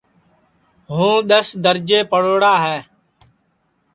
ہُوں دؔس درجے پڑھوڑا ہے